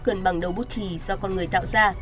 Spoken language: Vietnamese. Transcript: gần bằng đầu bút thì do con người tạo ra